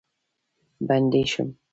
بندي شم.